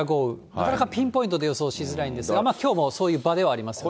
なかなかピンポイントで予想しづらいんですが、きょうもそういう場ではありますね。